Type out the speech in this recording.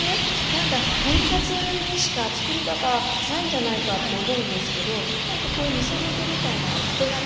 何か豚カツにしか作り方ないんじゃないかって思うんですけどこういうみそ漬けみたいなお手軽なものにもね